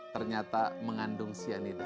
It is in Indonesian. ternyata mengandung sianida